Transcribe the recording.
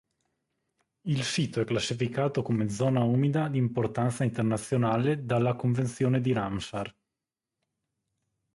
Il sito è classificato come zona umida di importanza internazionale dalla Convenzione di Ramsar.